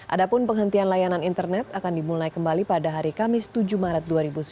adapun penghentian layanan internet akan dimulai kembali pada hari kamis tujuh maret dua ribu sembilan belas